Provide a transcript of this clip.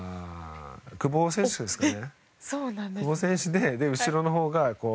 久保選手ですかね。